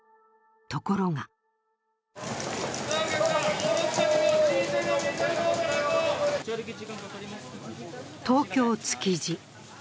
ところが東京・築地。